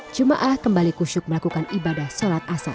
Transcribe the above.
juma'ah kembali kusyuk melakukan ibadah sholat asyar